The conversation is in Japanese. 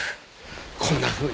こんなふうに。